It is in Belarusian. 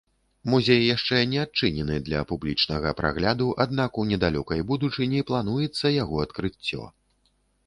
Музей яшчэ не адчынены для публічнага прагляду, аднак у недалёкай будучыні плануецца яго адкрыццё.